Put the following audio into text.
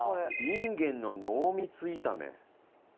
インゲンの濃密炒め。